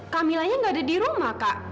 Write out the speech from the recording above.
kamilahnya gak ada di rumah kak